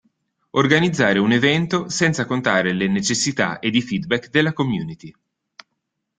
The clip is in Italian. Organizzare un evento senza contare le necessità ed i feedback della community.